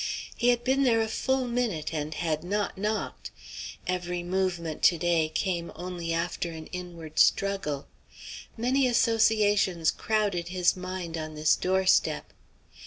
He had been there a full minute and had not knocked. Every movement, to day, came only after an inward struggle. Many associations crowded his mind on this doorstep.